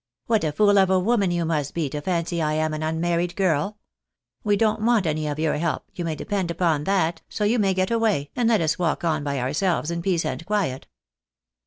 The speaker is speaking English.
" What a fool of a woman you must be, to fancy I am an unmarried girl ! We don't want any of your help, you may depend upon that, so you may get away, and let us walk on by ourselves in peace and quiet."